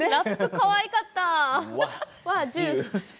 かわいかった。